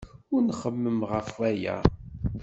Ur nxemmem ɣef waya.